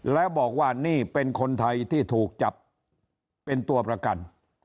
แล้วบอกว่านี่เป็นคนไทยที่ถูกจับเป็นตัวประกัน